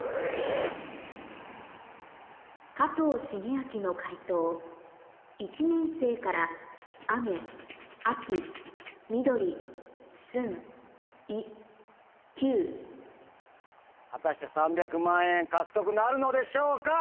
加藤シゲアキの解答１年生から果たして３００万円獲得なるのでしょうか？